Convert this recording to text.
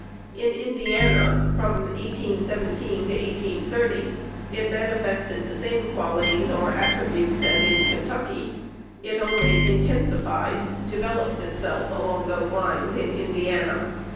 In Indiana, from 1817 to 1830, it manifested the same qualities or attributes as in Kentucky: it only intensified, developed itself, along those lines, in Indiana.